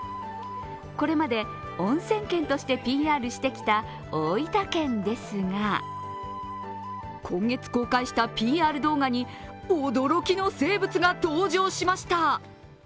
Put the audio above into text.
これまでおんせん県としてＰＲしてきた大分県ですが今月公開したＰＲ動画に驚きの生物が登場しました。